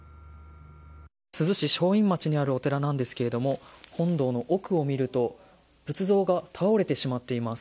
珠洲市正院町にあるお寺なんですけれども本堂の奥を見ると仏像が倒れてしまっています。